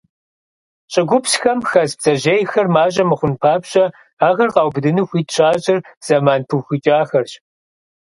ЩӀыгупсхэм хэс бдзэжьейхэр мащӀэ мыхъун папщӀэ, ахэр къаубыдыну хуит щащӀыр зэман пыухыкӀахэрщ.